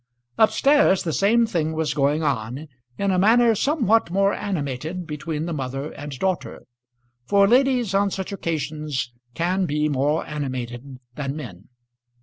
Up stairs the same thing was going on, in a manner somewhat more animated, between the mother and daughter, for ladies on such occasions can be more animated than men.